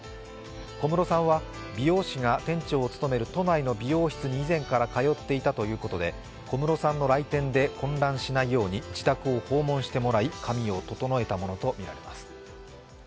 小室さんは美容師が店長を務める都内の美容室に以前から通っていたということで、小室さんの来店で混乱しないように自宅を訪問してもらい、髪を整えたものとみられます。